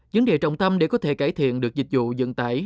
vấn đề trọng tâm để có thể cải thiện được dịch vụ dẫn tải